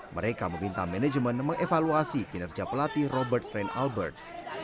mereka meminta manajemen mengevaluasi kinerja pelatih robert ren albert